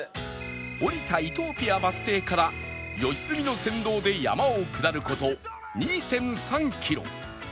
降りたイトーピアバス停から良純の先導で山を下る事 ２．３ キロ